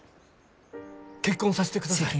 結婚さしてください。